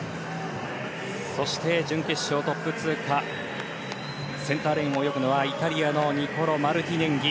そして、準決勝トップ通過センターレーンを泳ぐのはイタリアニコロ・マルティネンギ。